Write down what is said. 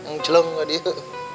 ngelom gak dia